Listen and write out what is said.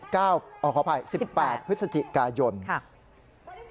๑๙ขออภัย๑๘พฤศจิกายนครับ